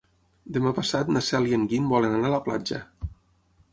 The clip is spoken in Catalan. Demà passat na Cel i en Guim volen anar a la platja.